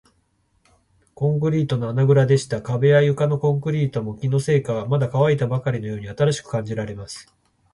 畳六畳敷きほどの、ごくせまいコンクリートの穴ぐらでした。壁や床のコンクリートも、気のせいか、まだかわいたばかりのように新しく感じられます。